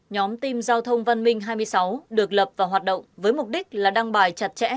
nhóm team giao thông văn minh hai mươi sáu được lập và hoạt động với mục đích là đăng bài chặt chẽ